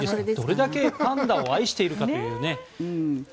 どれだけパンダを愛しているかという。